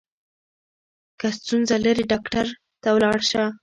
که ستونزه لرې ډاکټر ته ولاړ شه.